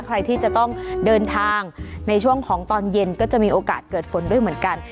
ใครที่จะต้องเดินทางในช่วงของตอนเย็นก็จะมีโอกาสเกิดฝนด้วยเหมือนกัน